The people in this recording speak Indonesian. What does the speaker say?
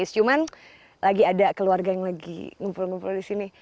cuman kan ada keluarga jumpa sekali lagi